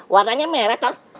warnanya merah toh